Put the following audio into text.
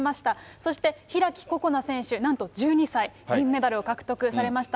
そして開心那選手、なんと１２歳、銀メダルを獲得されました。